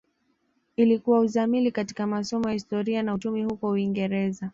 Ilikuwa uzamili katika masomo ya Historia na Uchumi huko Uingereza